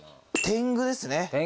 天狗ですね。